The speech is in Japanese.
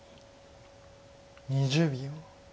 ２０秒。